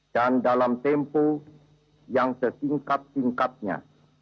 dan dalam tempoh yang sesingkat singkatnya